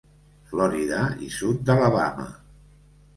Florida i sud d'Alabama.